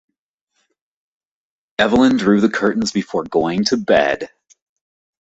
Evelyn drew the curtains before going to bed.